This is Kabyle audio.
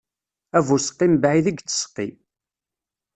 Abuseqqi mebɛid i yettseqqi.